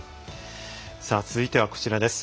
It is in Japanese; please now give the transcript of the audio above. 続いてはこちらです。